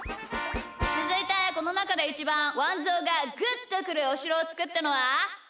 つづいてこのなかでイチバンワンぞうがグッとくるおしろをつくったのは？